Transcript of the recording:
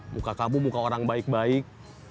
muka kamu muka orang baik baik